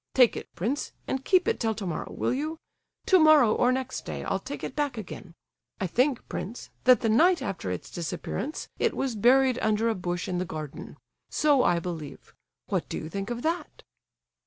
Take it, prince, and keep it till tomorrow, will you? Tomorrow or next day I'll take it back again. I think, prince, that the night after its disappearance it was buried under a bush in the garden. So I believe—what do you think of that?"